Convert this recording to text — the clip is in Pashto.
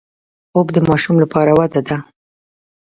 خوب د ماشوم لپاره وده ده